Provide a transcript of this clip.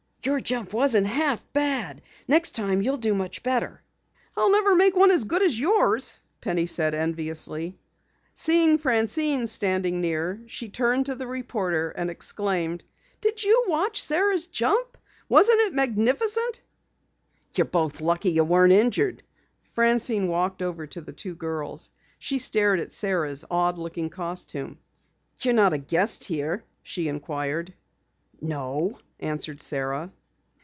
"Your jump wasn't half bad. Next time you'll do much better." "I'll never make one as good as yours," Penny said enviously. Seeing Francine standing near, she turned to the reporter and exclaimed: "Did you watch Sara's jump? Wasn't it magnificent?" "You're both lucky you weren't injured." Francine walked over to the two girls. She stared at Sara's odd looking costume. "You're not a guest here?" she inquired. "No," answered Sara.